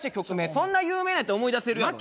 そんな有名なんやったら思い出せるやろな。